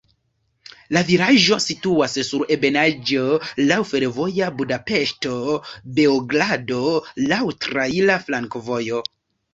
La vilaĝo situas sur ebenaĵo, laŭ fervojo Budapeŝto–Beogrado, laŭ traira flankovojo.